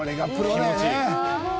「気持ちいい」